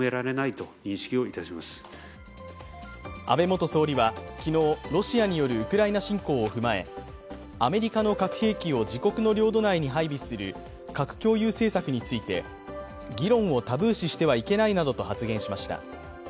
安倍元総理は昨日、ロシアによるウクライナ侵攻を踏まえアメリカの核兵器を自国の領土内に配備する核共有政策について、議論をタブー視してはいけないなどと発言しました。